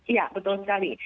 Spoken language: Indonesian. iya betul sekali